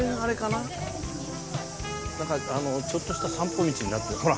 なんかちょっとした散歩道になってほら。